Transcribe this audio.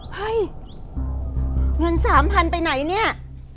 เฮ้ยเฮ้ยเงินสามพันไปไหนเนี่ย